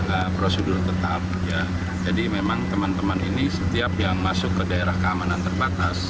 ada prosedur tetap ya jadi memang teman teman ini setiap yang masuk ke daerah keamanan terbatas